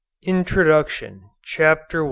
_ INTRODUCTION CHAPTER I.